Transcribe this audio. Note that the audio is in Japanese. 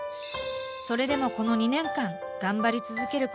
それでもこの２年間頑張り続けることができた理由